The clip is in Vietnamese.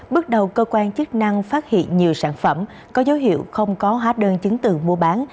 bước đầu cơ quan chức năng phát hiện nhiều sản phẩm có dấu hiệu không có hóa đơn chứng từ mua bán